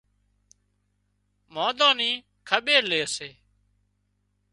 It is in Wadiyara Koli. مانۮان نِي کٻير لي سي